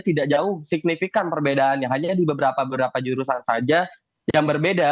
tidak jauh signifikan perbedaannya hanya di beberapa jurusan saja yang berbeda